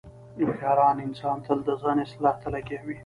هوښیار انسان تل د ځان اصلاح ته لګیا وي.